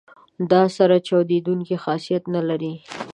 دا سره چاودیدونکي خاصیت نه لري.